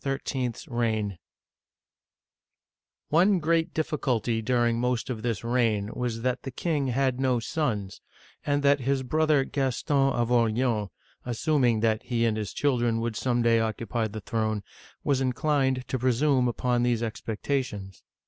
'S REIGN ONE great difficulty during most of this reign was that the king had no sons, and that his brother Gaston of Orleans, assuming that he and his children would some day occupy the throne, was inclined to pre sume upon these expectations.